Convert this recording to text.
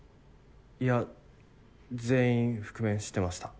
いや全員覆面してました。